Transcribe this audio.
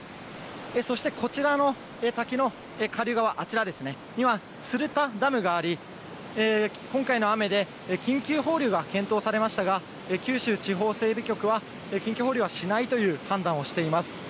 そして、こちらの滝の下流側には鶴田ダムがあり、今回の雨で緊急放流が検討されましたが九州地方整備局は緊急放流はしないという判断をしています。